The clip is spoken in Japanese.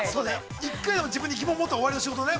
◆一回は自分に疑問を持ったら終わりの仕事ね。